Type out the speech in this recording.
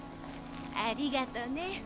ありがとね。